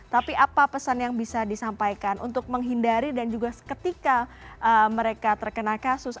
tapi apa pesan yang bisa disampaikan untuk menghindari dan juga ketika mereka terkena kasus